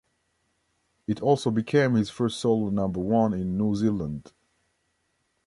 It also became his first solo number one in New Zealand.